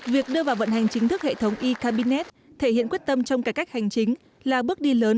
việc đưa vào vận hành chính thức hệ thống e cabinet thể hiện quyết tâm trong cải cách hành chính là bước đi lớn